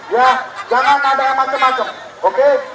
ya jangan ada yang macem macem oke